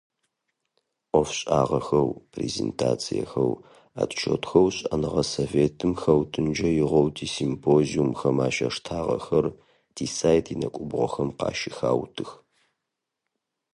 Ӏофшӏагъэхэу, презентациехэу, отчётхэу шӏэныгъэ советым хэутынкӏэ игъоу тисимпозиумхэм ащаштагъэхэр, тисайт инэкӏубгъохэм къащыхаутых.